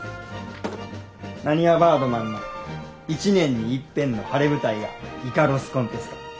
なにわバードマンの一年にいっぺんの晴れ舞台がイカロスコンテスト。